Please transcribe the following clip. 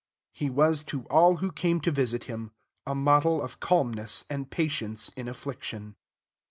He was to all who came to visit him a model of calmness and patience in affliction.